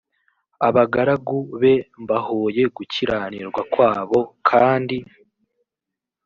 abagaragu be mbahoye gukiranirwa kwabo kandi